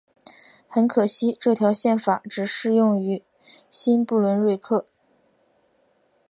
很可惜这条宪法只适用于新不伦瑞克。